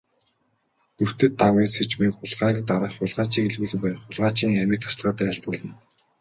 Дүртэд Дагвын сэржмийг хулгайг дарах, хулгайчийг илрүүлэн барих, хулгайчийн амийг таслахад айлтгуулна.